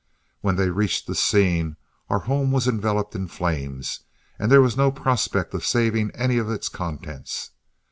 When they reached the scene our home was enveloped in flames, and there was no prospect of saving any of its contents.